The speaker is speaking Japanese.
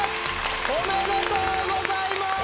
おめでとうございます！